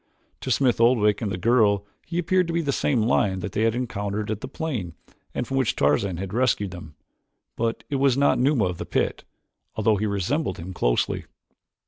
To Smith Oldwick and the girl he appeared to be the same lion that they had encountered at the plane and from which Tarzan had rescued them. But it was not Numa of the pit, although he resembled him closely.